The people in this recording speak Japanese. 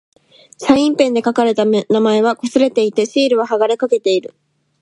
サインペンで書かれた名前は掠れていて、シールは剥がれかけている。